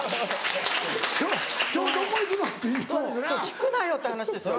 聞くなよって話ですよ。